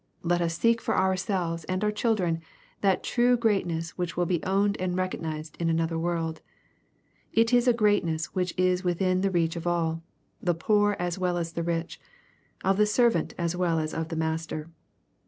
Let us seek for ourselves and our children that true greatness which will be owned and recognized in another world. It is a greatness which IS within the reach of all, — of the poor as well as the rich, — K)f the servant as well as of the master.